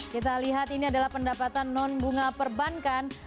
kita lihat ini adalah pendapatan non bunga perbankan